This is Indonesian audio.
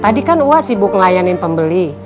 tadi kan wah sibuk ngelayanin pembeli